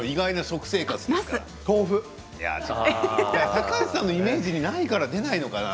高橋さんのイメージになるから出ないのかな。